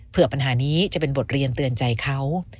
เพื่อปัญหานี้จะเป็นบทเรียนเตือนใจเขา